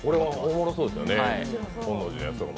おもろそうですよね。